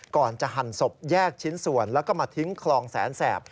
ก่อนจะหั่นศพแยกชิ้นส่วนแล้วก็มาทิ้งคลองแสนแสบ